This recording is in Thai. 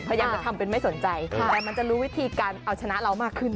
พยายามจะทำเป็นไม่สนใจแต่มันจะรู้วิธีการเอาชนะเรามากขึ้น